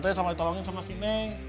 tuh sama ditolongin sama si neng